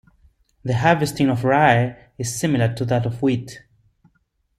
The harvesting of rye is similar to that of wheat.